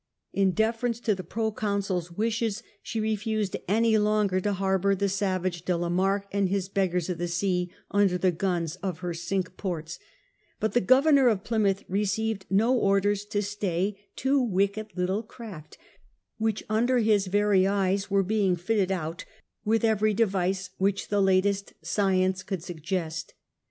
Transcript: In deference to the Proconsul's wishes she refused any longer to harbour the savage De la Marck and his Beggars of the Sea under the guns of her Cinque Ports j but the Governor of Plymouth received no orders to stay two wicked little craft which under his very eyes were being fitted out with every device which the latest science could suggest.